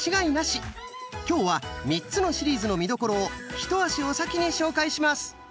今日は３つのシリーズの見どころを一足お先に紹介します。